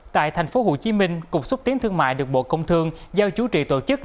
tại tp hcm cục xúc tiến thương mại được bộ công thương giao chú trị tổ chức